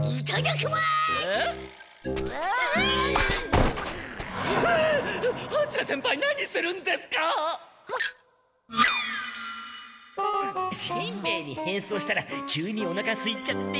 しんべヱに変装したら急におなかすいちゃって。